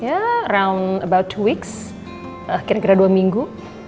ya kira kira dua minggu